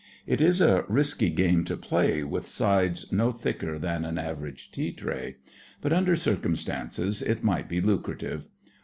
It is a risky game to play with sides no thicker than an average tea tray; but under circumstances it might be lucrative.